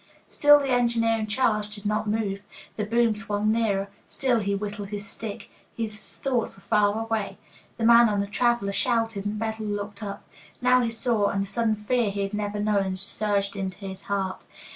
Still the engineer in charge did not move. The boom swung nearer. Still he whittled at his stick. His thoughts were far away. The man on the "traveler" shouted, and Bedell looked up. Now he saw, and the sudden fear he had never known surged in his heart.